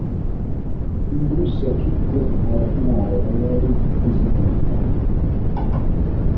Indusse Kid a ordinare a lei di seguirla.